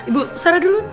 ibu sarah dulu